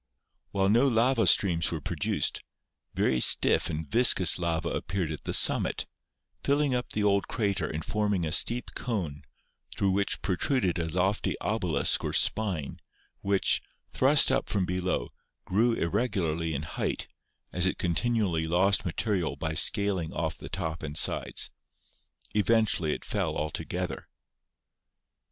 While no lava streams were pro duced, very stiff and viscous lava appeared at the summit, H4 GEOLOGY filling up the old crater and forming a steep cone, through which protruded a lofty obelisk or spine, which, thrust up from below, grew irregularly in height, as it continually lost material by scaling off the top and sides; eventually it fell altogether.